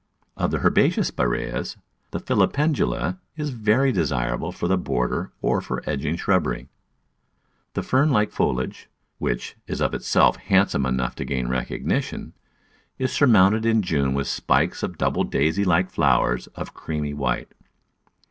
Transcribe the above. Of the herbaceous Spiraeas the filipen dula is very desirable for the border or for edging shrubbery. The fern like foliage, which is of itself Digitized by Google 198 The Flower Garden [Chapter handsome enough to gain recognition, is surmounted in June with spikes of double daisy like flowers of creamy white.